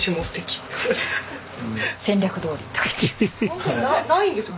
ホントにないないんですよ